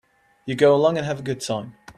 You go along and have a good time.